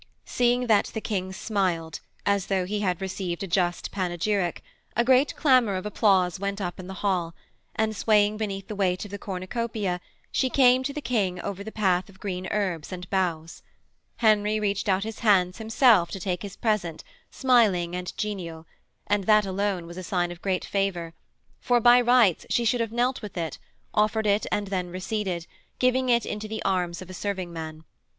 Seeing that the King smiled, as though he had received a just panegyric, a great clamour of applause went up in the hall, and swaying beneath the weight of the cornucopia she came to the King over the path of green herbs and boughs. Henry reached out his hands, himself, to take his present, smiling and genial; and that alone was a sign of great favour, for by rights she should have knelt with it, offered it and then receded, giving it into the arms of a serving man.